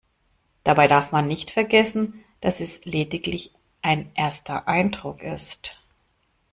Dabei darf man nicht vergessen, dass es lediglich ein erster Eindruck ist.